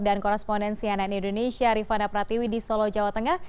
dan korresponden cnn indonesia rifana pratiwi di solo jawa tengah